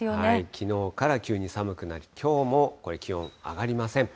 きのうから急に寒くなり、きょうもこれ、気温上がりません。